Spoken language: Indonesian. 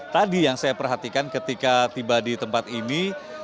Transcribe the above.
tadi yang saya perhatikan ketika tiba di tempat ini